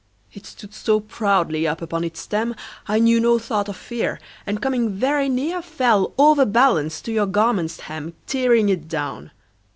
It stood so proudly up upon its stem, I knew no thought of fear, And coming very near Fell, overbalanced, to your garment's hem, Tearing it down.